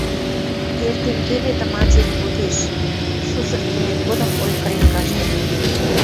Эртен кеметӹм анжен кодеш, шушыр кимет годым ойхырен каштын...